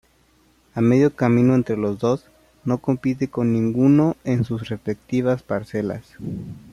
A medio camino entre los dos, no compite con ninguno en sus respectivas parcelas.